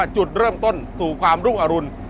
จุดเริ่มต้นสู่ความรุ่งอรุณ